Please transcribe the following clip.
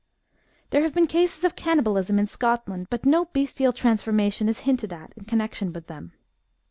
There have been cases of cannibalism in Scotland, but no bestial transformation is hinted at in connection with them.